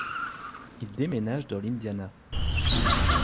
Il déménage dans l'Indiana.